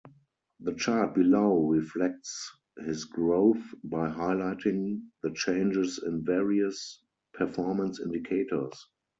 The chart below reflects this growth by highlighting the changes in various performance indicators.